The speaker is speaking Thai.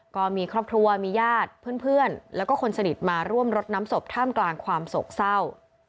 ก็มีครอบครัวมีญาติเพื่อนแล้วก็คนสนิทมาร่วมรดน้ำศพท่ามกลางความโศกเศร้า